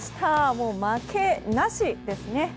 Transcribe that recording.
もう、負けなしですね。